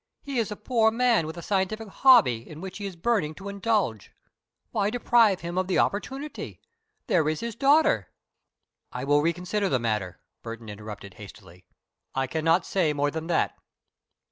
He is a poor man with a scientific hobby in which he is burning to indulge. Why deprive him of the opportunity? There is his daughter " "I will reconsider the matter," Burton interrupted, hastily. "I cannot say more than that." Mr.